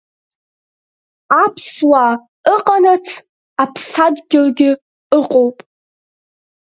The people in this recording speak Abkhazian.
Аԥсуаа ыҟанаҵ аԥсадгьылгьы ыҟоуп.